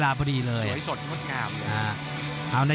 โหโหโหโห